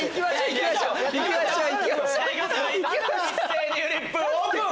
一斉にフリップオープン！